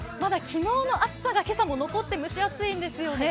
昨日の暑さが今朝も残って蒸し暑いんですよね。